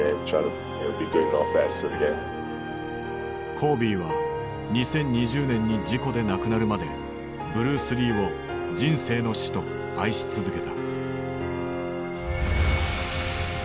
コービーは２０２０年に事故で亡くなるまでブルース・リーを人生の師と愛し続けた。